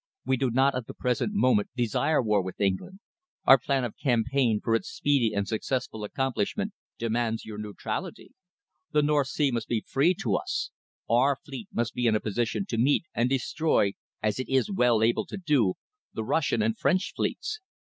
We do not at the present moment desire war with England. Our plan of campaign, for its speedy and successful accomplishment, demands your neutrality. The North Sea must be free to us. Our fleet must be in a position to meet and destroy, as it is well able to do, the Russian and the French fleets.